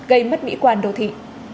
gây mất mỹ quan đồ thị